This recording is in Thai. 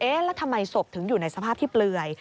แล้วทำไมศพถึงอยู่ในสภาพที่เปลือย